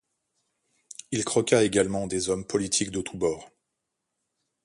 Il croqua également des hommes politiques de tous bords.